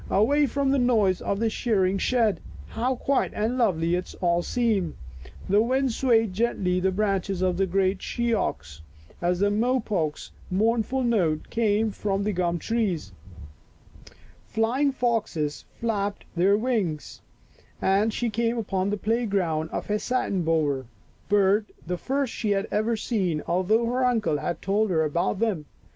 Away from the noise of the shearing shed, how quiet and lovely it all seemed. The wind swayed gently the branches of the great she oaks as a mopoke's mournful note came from the gum trees. Flying foxes flapped their wings and 72 Our Little Australian Cousin she came upon the playground of a satin bower * bird, the first she had ever seen, although her uncle had told her about them.